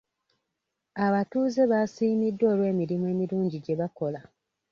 Abatuuze baasiimiddwa olw'emirimu emirungi gye bakola.